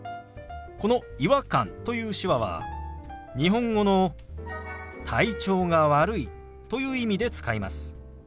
この「違和感」という手話は日本語の「体調が悪い」という意味で使います。